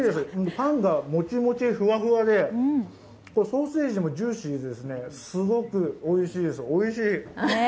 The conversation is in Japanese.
パンがもちもち、ふわふわで、ソーセージもジューシーですごくおいしいです、おいしい！